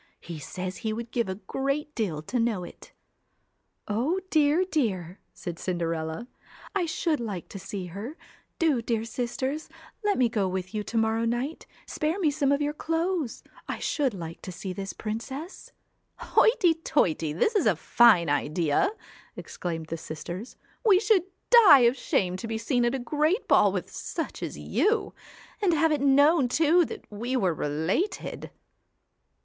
He says he would give a great deal to know it.' 'O dear, dear!' said Cinderella, 'I should like to see her; do, dear sisters, let me go with you to 29 CINDER, morrow night, spare me some of your clothes. 1 ELLA should like to see this princess.' 'Hoity toity! this is a fine idea!' exclaimed the sisters. ' We should die of shame to be seen at a great ball with such as you and have it known too that we were related.'